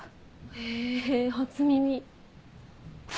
へぇ初耳。